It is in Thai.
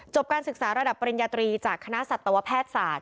การศึกษาระดับปริญญาตรีจากคณะสัตวแพทย์ศาสต